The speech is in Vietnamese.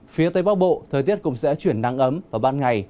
phía tây bắc bộ thời tiết cũng sẽ chuyển nắng ấm vào ban ngày